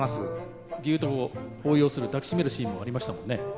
ぎゅっと抱擁する抱き締めるシーンもありましたもんね？